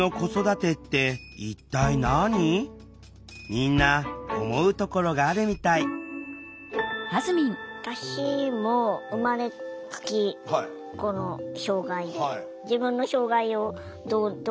みんな思うところがあるみたい私も生まれつきこの障害で。